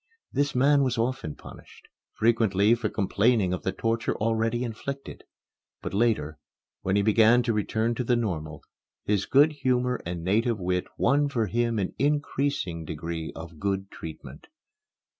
This man was often punished, frequently for complaining of the torture already inflicted. But later, when he began to return to the normal, his good humor and native wit won for him an increasing degree of good treatment.